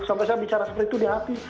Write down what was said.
sampai saya bicara seperti itu di hati